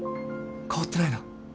変わってないな。